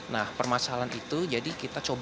nah permasalahan itu